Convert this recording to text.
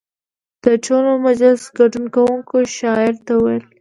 د ټول مجلس ګډون کوونکو شاعر ته وویل.